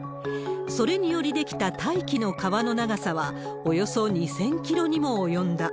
それにより出来た大気の川の長さは、およそ２０００キロにも及んだ。